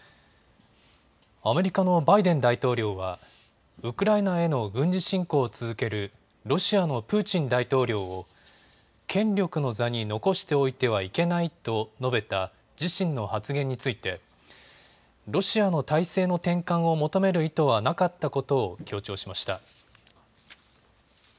アメリカのバイデン大統領はウクライナへの軍事侵攻を続けるロシアのプーチン大統領を権力の座に残しておいてはいけないと述べた自身の発言についてロシアの体制の転換を求める意図はなかったことを強調しました。